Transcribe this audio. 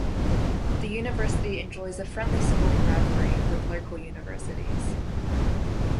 The university enjoys a friendly sporting rivalry with local universities.